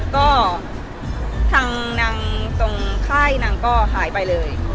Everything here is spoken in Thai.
ก็ทางนางตรงค่ายนางก็หายไปเลย